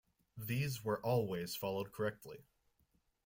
These were always followed correctly.